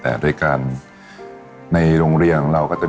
แต่ตอนเด็กก็รู้ว่าคนนี้คือพระเจ้าอยู่บัวของเรา